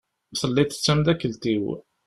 Telliḍ d tamdakelt-iw.